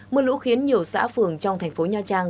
mưa lũ khiến nhiều xã phường trong thành phố nha trang